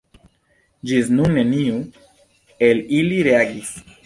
Ĝis nun neniu el ili reagis.